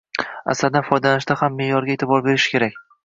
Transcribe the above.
Asaldan foydalanishda ham me’yorga e’tibor berish kerak.